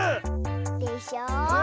でしょ。